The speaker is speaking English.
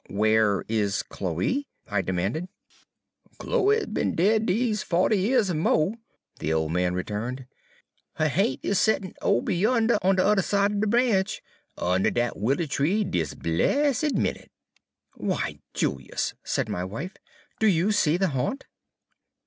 "Where is Chloe?" I demanded. "Chloe's done be'n dead dese fo'ty years er mo'," the old man returned. "Her ha'nt is settin' ober yander on de udder side er de branch, unner dat wilier tree, dis blessed minute." "Why, Julius!" said my wife, "do you see the haunt?"